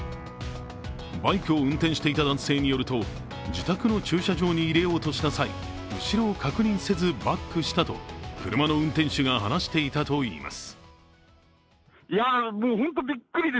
バイクを運転していた男性によると自宅の駐車場に入れようとした際、後ろを確認せずバックしたと車の運転手が話していたといいます。